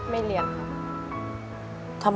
เรียนครับ